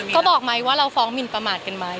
เขาบอกไหมว่าเราฟ้องหมินประมาทกันไหม